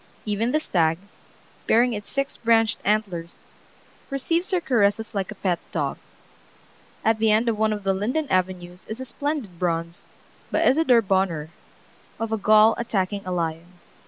Even the stag, bearing its six branched antlers, receives her caresses like a pet dog. At the end of one of the linden avenues is a splendid bronze, by Isadore Bonheur, of a Gaul attacking a lion.